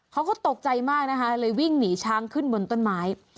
เขาก็ตกใจมากนะคะเลยวิ่งหนีช้างขึ้นบนต้นไม้